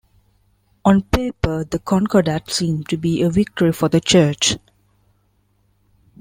On paper the concordat seemed to be a victory for the Church.